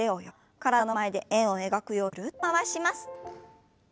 体の前で円を描くようにぐるっと回します。